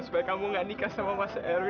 supaya kamu gak nikah sama mas eri